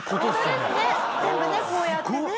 全部ねこうやってね。